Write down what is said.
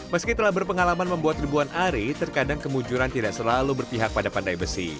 meski telah berpengalaman membuat ribuan ari terkadang kemujuran tidak selalu berpihak pada pandai besi